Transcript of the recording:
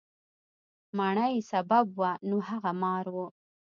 مڼه یې سبب وه، نه هغه مار و.